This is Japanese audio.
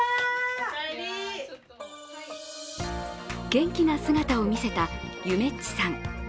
元気な姿を見せたゆめっちさん。